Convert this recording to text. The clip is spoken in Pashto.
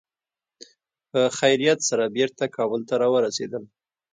په خیریت سره بېرته کابل ته را ورسېدل.